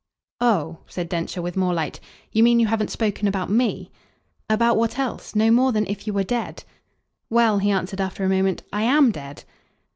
"Oh," said Densher with more light, "you mean you haven't spoken about ME?" "About what else? No more than if you were dead." "Well," he answered after a moment, "I AM dead."